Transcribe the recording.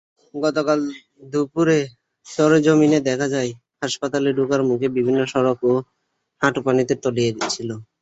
গতকাল দুপুরে সরেজমিনে দেখা যায়, হাসপাতালে ঢোকার মুখের বিভিন্ন সড়কও হাঁটুপানিতে তলিয়ে ছিল।